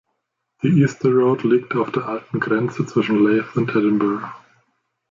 Die Easter Road liegt auf der alten Grenze zwischen Leith und Edinburgh.